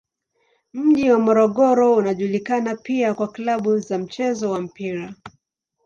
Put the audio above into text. Mji wa Morogoro unajulikana pia kwa klabu za mchezo wa mpira.